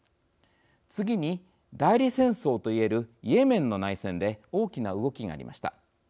次に代理戦争と言えるイエメンの内戦で大きな動きがありました。